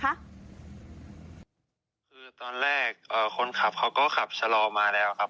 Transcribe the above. คือตอนแรกคนขับเขาก็ขับชะลอมาแล้วครับ